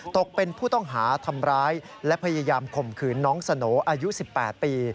ตกเป็นผู้ต้องหาทำร้ายและพยายามข่มขืนน้องสโหน่อายุ๑๘ปี